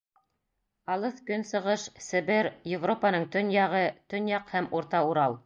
Алыҫ Көнсығыш, Себер, Европаның төньяғы, төньяҡ һәм Урта Урал...